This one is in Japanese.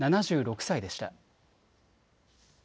７６歳でした。